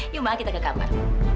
yuk mari kita ke kamar